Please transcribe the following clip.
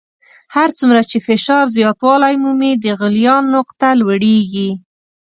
هر څومره چې فشار زیاتوالی مومي د غلیان نقطه لوړیږي.